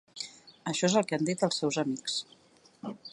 Això és el que han dit els seus amics.